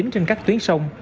trên các tuyến sông